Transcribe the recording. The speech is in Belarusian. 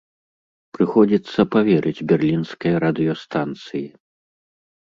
Прыходзіцца паверыць берлінскай радыёстанцыі.